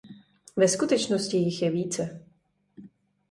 Ve skutečnosti jich je více.